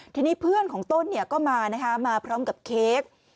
ทีนี้เพื่อนของต้นก็มานะคะมาพร้อมกับเค้ก